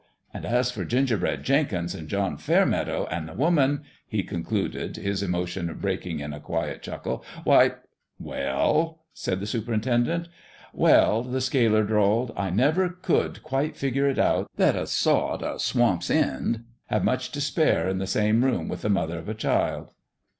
An' as for Gingerbread Jen kins an' John Fairmeadow an' the woman," he concluded, his emotion breaking in a quiet chuckle, "why "" Well ?" said the superintendent. "Well," the sealer drawled, "I never could quite figure it out that a sot o' Swamp's End had much t' spare in the same room with the mother of a child."